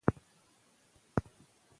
په ډيموکراټ نظام کښي قومي مجموعه مراد يي.